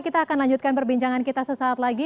kita akan lanjutkan perbincangan kita sesaat lagi